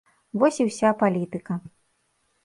Вось і ўся палітыка.